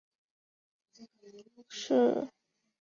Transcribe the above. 洛宗人口变化图示